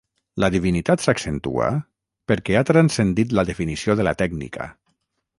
La divinitat s'accentua perquè ha transcendit la definició de la tècnica.